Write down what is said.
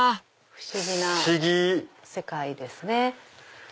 不思議な世界ですね。